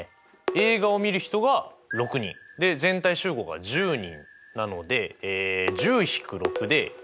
映画をみる人が６人全体集合が１０人なので１０−６で４。